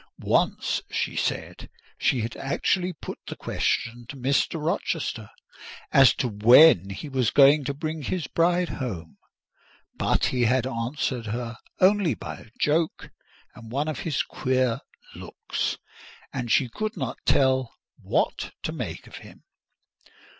Once she said she had actually put the question to Mr. Rochester as to when he was going to bring his bride home; but he had answered her only by a joke and one of his queer looks, and she could not tell what to make of him.